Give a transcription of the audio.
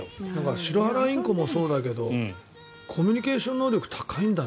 シロハラインコもそうだけどコミュニケーション能力高いんだね。